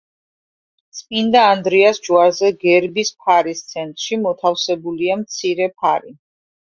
წმიდა ანდრიას ჯვარზე, გერბის ფარის ცენტრში, მოთავსებულია მცირე ფარი.